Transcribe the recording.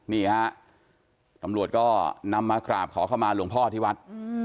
นี่ฮะตำรวจก็นำมากราบขอเข้ามาหลวงพ่อที่วัด